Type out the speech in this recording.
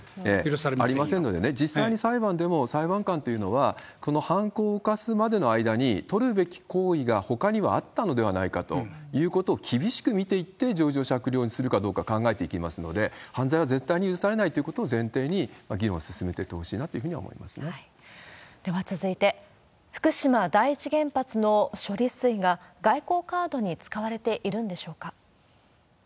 ありませんので、実際に裁判でも、裁判官というのは、この犯行を犯すまでの間に取るべき行為がほかにもあったのではないかということを厳しく見ていって、情状酌量にするかどうか考えていきますので、犯罪は絶対に許されないということを前提に議論を進めていってほでは続いて、福島第一原発の処理水が外交カードに使われているんでしょうか。